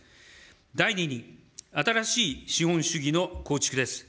第２に新しい資本主義の構築です。